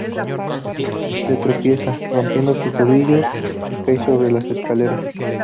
Se tropieza, rompiendo su tobillo y cae sobre las escaleras.